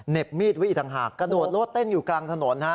มีดไว้อีกต่างหากกระโดดรถเต้นอยู่กลางถนนฮะ